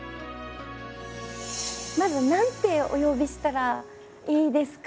まず何てお呼びしたらいいですか？